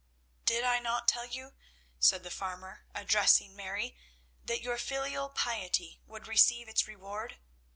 "Did I not tell you," said the farmer, addressing Mary, "that your filial piety would receive its reward?